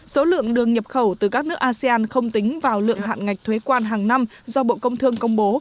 số lượng đường nhập khẩu từ các nước asean không tính vào lượng hạn ngạch thuế quan hàng năm do bộ công thương công bố